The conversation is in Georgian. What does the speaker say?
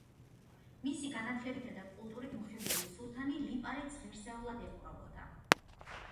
მისი განათლებითა და კულტურით მოხიბლული სულთანი ლიპარიტს ღირსეულად ეპყრობოდა.